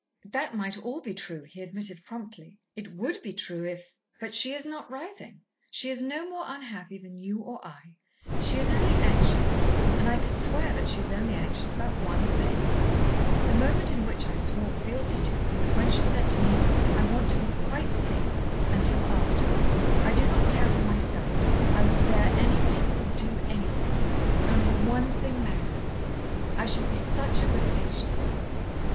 "That might all be true," he admitted promptly. "It would be true if but she is not writhing. She is no more unhappy than you or I. She is only anxious, and I could swear that she is only anxious about one thing. The moment in which I swore fealty to her was when she said to me, 'I want to be quite safe until after. I do not care for myself. I will bear anything or do anything. Only one thing matters. I shall be such a good patient.'